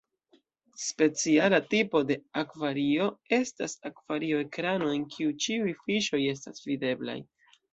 Speciala tipo de akvario estas akvario-ekrano en kiu ĉiuj fiŝoj estas videblaj.